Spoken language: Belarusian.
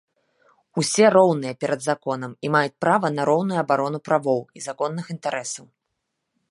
Усе роўныя перад законам і маюць права на роўную абарону правоў і законных інтарэсаў.